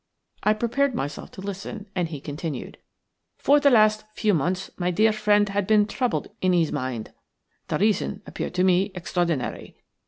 I prepared myself to listen, and he continued:– "For the last few months my dear friend had been troubled in his mind. The reason appeared to me extraordinary.